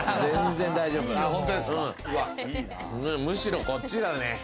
むしろ、こっちだね。